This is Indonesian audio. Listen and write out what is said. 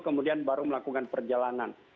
kemudian baru melakukan perjalanan